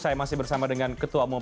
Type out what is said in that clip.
saya masih bersama dengan ketua umum